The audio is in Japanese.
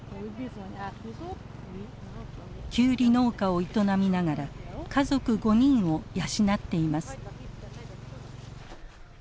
きゅうり農家を営みながら家族５人を養っています。